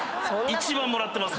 一番もらってます。